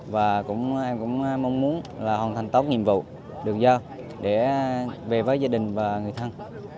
và em cũng mong muốn là hoàn thành tốt nhiệm vụ được giao để về với gia đình và người thân